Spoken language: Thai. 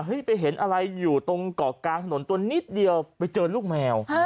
ไปเห็นอะไรอยู่ตรงเกาะกลางถนนตัวนิดเดียวไปเจอลูกแมว